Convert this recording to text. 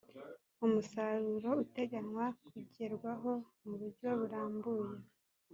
umusaruro uteganywa kugerwaho mu buryo burambuye